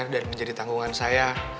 dan menjadi tanggungan saya